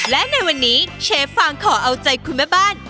และในวันนี้เชฟฟังขอเอาใจคุณแม่บ้าน